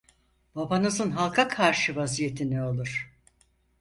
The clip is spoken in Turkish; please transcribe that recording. Babanızın halka karşı vaziyeti ne olur?